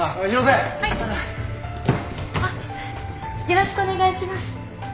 よろしくお願いします。